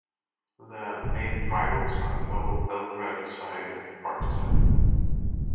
Their main rivals are fellow Belgrade side Partizan.